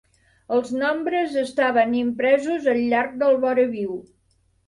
Els nombres estaven impresos al llarg del voraviu.